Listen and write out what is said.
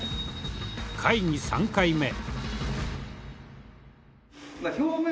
会議３回目。